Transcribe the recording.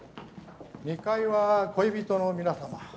２階は恋人の皆様。